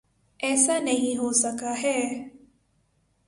ایسا نہیں ہو سکا ہے۔